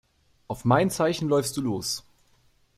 Auf mein Zeichen läufst du los.